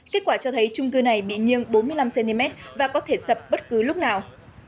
kết quả cho thấy trung cư này bị nghiêng bốn mươi năm cm và có thể sập bất cứ lúc nào